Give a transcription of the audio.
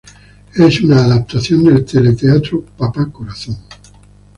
Es una adaptación del teleteatro "Papá Corazón".